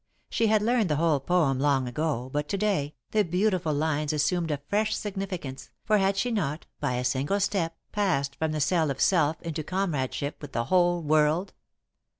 She had learned the whole poem long ago, but, to day, the beautiful lines assumed a fresh significance, for had she not, by a single step, passed from the cell of self into comradeship with the whole world?